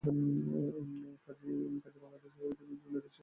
কাজী বাংলাদেশ এবং পৃথিবীর বিভিন্ন দেশের মুসলমানদের পদবি হিসেবে ব্যবহৃত হয়ে থাকে।